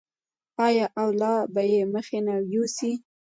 آیا او لا به یې مخکې نه یوسي؟